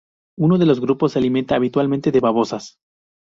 Uno de los grupos se alimenta habitualmente de babosas.